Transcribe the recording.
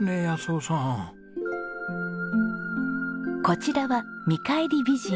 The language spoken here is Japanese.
こちらは『見返り美人』。